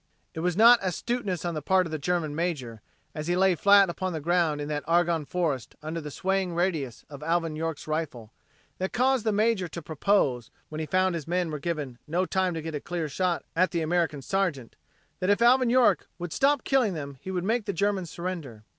It was not astuteness on the part of the German major, as he lay flat upon the ground in that Argonne Forest under the swaying radius of Alvin York's rifle, that caused the major to propose, when he found his men were given no time to get a clear shot at the American sergeant, that if Alvin York would stop killing them he would make the Germans surrender.